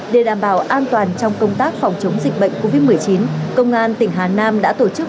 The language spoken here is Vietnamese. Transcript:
để đảm bảo an toàn trong công tác phòng chống dịch bệnh covid một mươi chín công an tỉnh hà nam đã tổ chức